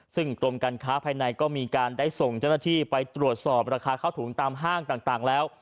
ซึ่งกรมการค้าภายในก็มีการได้ส่งเจ้าหน้าที่ไปตรวจสอบราคาข้าวถุงตามห้างต่างแล้ว